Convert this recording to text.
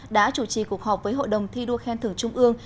đã chủ trì cuộc họp với hội đồng thi đua khen thưởng trung ương